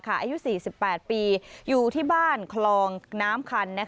อายุ๔๘ปีอยู่ที่บ้านคลองน้ำคัน